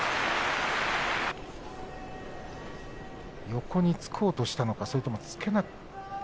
横につこうとしたのかそれとも、つけなかったのか。